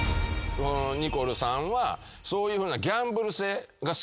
ニコルさんはそういうふうな。